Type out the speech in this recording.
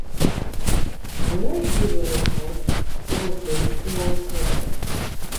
The very good racehorse Gunsynd ran third.